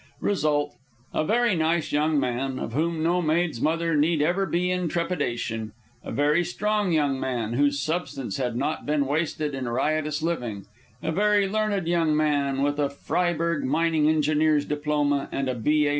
Result: A very nice young man, of whom no maid's mother need ever be in trepidation; a very strong young man, whose substance had not been wasted in riotous living; a very learned young man, with a Freiberg mining engineer's diploma and a B.A.